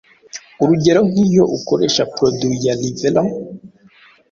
urugero nk’iyo ukoresha produit ya Revlon